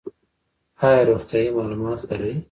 ایا روغتیایی معلومات لرئ؟